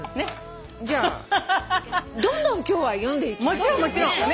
じゃあどんどん今日は読んでいきましょうね。